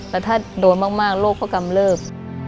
แต่ถ้าโดนมากโรคก็กำเลิก